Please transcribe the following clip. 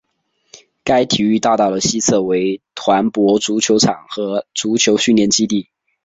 该体育大道的西侧为团泊足球场和足球训练基地。